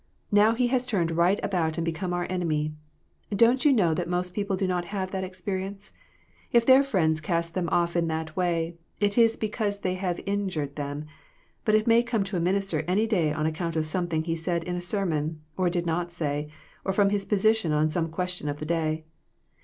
Now he has turned right about and become our enemy. Don't you know that most people do not have that experience ? If their friends cast them off in that way, it is because they have injured them, but it may come to a minister any day on account of something he said in a sermon, or did not say, or from his position on some question of the day.